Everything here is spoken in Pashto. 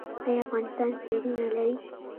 آیا افغانستان پورونه لري؟